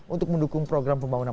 untuk mendukung program pembangunan